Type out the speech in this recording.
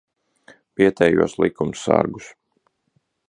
Vietējos likumsargus.